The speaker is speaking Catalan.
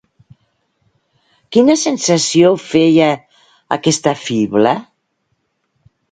Quina sensació feia aquesta fibla?